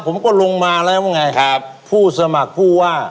ผมก็ลงมาแล้วไงพูดสมัครผู้ว่า